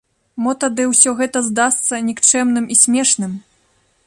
Мо тады ўсё гэта здасца нікчэмным і смешным?